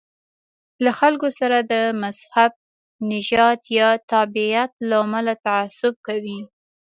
له خلکو سره د مذهب، نژاد یا تابعیت له امله تعصب کوو.